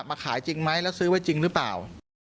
มาขายจริงไหมแล้วซื้อไว้จริงหรือเปล่า